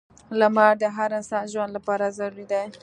• لمر د هر انسان ژوند لپاره ضروری دی.